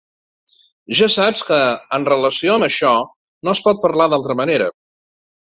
Ja saps que, en relació amb això, no es pot parlar d'altra manera.